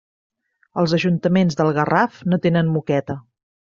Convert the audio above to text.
Els ajuntaments del Garraf no tenen moqueta.